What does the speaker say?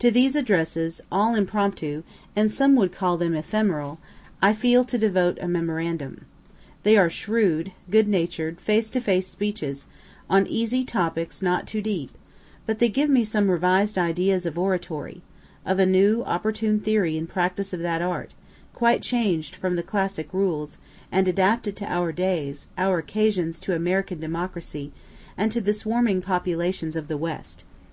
To these addresses all impromptu, and some would call them ephemeral I feel to devote a memorandum. They are shrewd, good natur'd, face to face speeches, on easy topics not too deep; but they give me some revised ideas of oratory of a new, opportune theory and practice of that art, quite changed from the classic rules, and adapted to our days, our occasions, to American democracy, and to the swarming populations of the West.